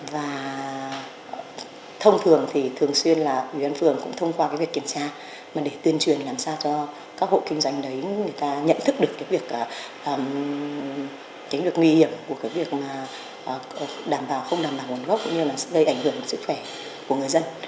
và thông thường thì thường xuyên là ủy ban phường cũng thông qua cái việc kiểm tra mà để tuyên truyền làm sao cho các hộ kinh doanh đấy người ta nhận thức được cái việc tính được nguy hiểm của cái việc mà đảm bảo không đảm bảo nguồn gốc cũng như là gây ảnh hưởng đến sức khỏe của người dân